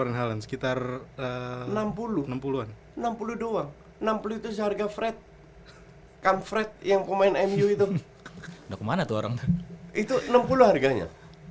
enam puluh enam puluh doang enam puluh itu seharga fred kan fred yang pemain mu itu itu enam puluh harganya